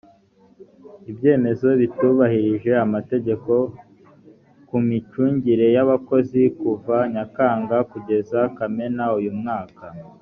ibyemezo bitubahirije amategeko ku micungire y’abakozi kuva nyakanga kugeza kamena uyu mwaka